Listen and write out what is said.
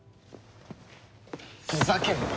ふざけんな！